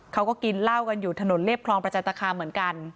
เขาก็กินเหล้ากันอยู่ถนนเรียบคลองประจันตคามเหมือนกัน